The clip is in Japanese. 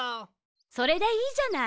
それでいいじゃない。